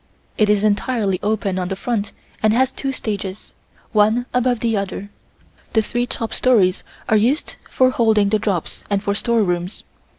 It is entirely open on the front and has two stages, one above the other. The three top stories are used for holding the drops and for store rooms.